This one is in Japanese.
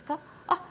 あっ。